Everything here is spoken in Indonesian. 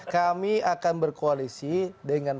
kami akan berkoalisi dengan